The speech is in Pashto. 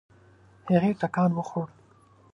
هغې ټکان وخوړ.